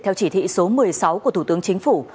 theo chỉ thị số một mươi sáu của thủ tướng chính phủ